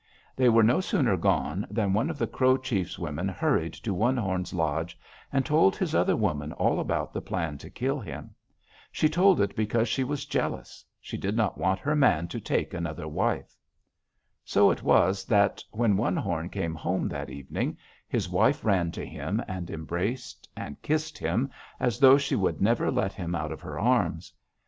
They were no sooner gone than one of the Crow chief's women hurried to One Horn's lodge and told his other woman all about the plan to kill him. She told it because she was jealous; she did not want her man to take another wife! "So it was that, when One Horn came home that evening, this wife ran to him and embraced and kissed him as though she would never let him out of her arms.